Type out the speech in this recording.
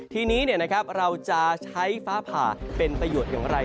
ทีนี้เราจะใช้ฟ้าผ่าเป็นประโยชน์อย่างไร